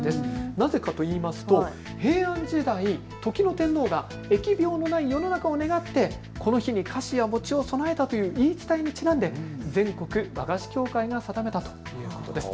なぜかといいますと平安時代、時の天皇が疫病のない世の中を願ってこの日に菓子や餅を供えたという言い伝えにちなんで全国和菓子協会が定めたということです。